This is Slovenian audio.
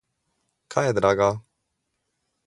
Kaj je draga?